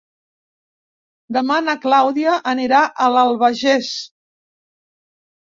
Demà na Clàudia anirà a l'Albagés.